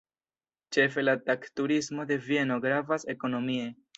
Ĉefe la tag-turismo de Vieno gravas ekonomie.